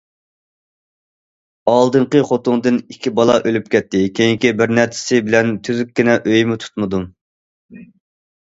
ئالدىنقى خوتۇندىن ئىككى بالا ئۆلۈپ كەتتى، كېيىنكى بىرنەچچىسى بىلەن تۈزۈككىنە ئۆيمۇ تۇتمىدىم.